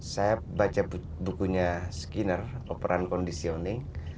saya baca bukunya skiner operan conditioning